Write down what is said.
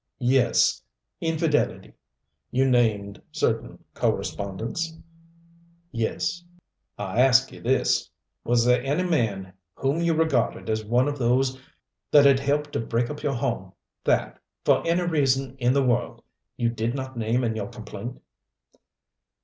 "Yes. Infidelity." "You named certain co respondents?" "Yes." "I ask you this. Was there any man whom you regarded as one of those that had helped to break up your home that, for any reason in the world, you did not name in your complaint?"